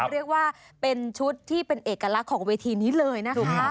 เรียกว่าเป็นชุดที่เป็นเอกลักษณ์ของเวทีนี้เลยนะคะ